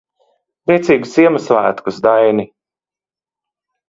Priecīgus Ziemassvētkus, Daini.